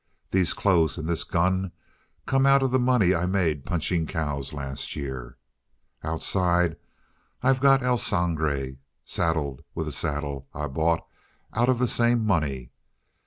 These clothes and this gun come out of the money I made punching cows last year. Outside I've got El Sangre saddled with a saddle I bought out of the same money.